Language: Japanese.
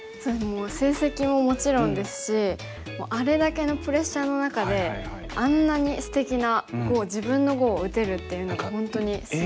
成績ももちろんですしあれだけのプレッシャーの中であんなにすてきな碁を自分の碁を打てるっていうのが本当にすごいなと。